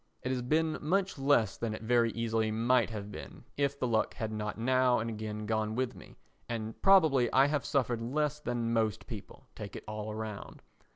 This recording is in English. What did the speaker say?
It has been much less than it very easily might have been if the luck had not now and again gone with me, and probably I have suffered less than most people, take it all round.